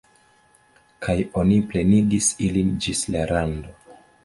Kaj oni plenigis ilin ĝis la rando.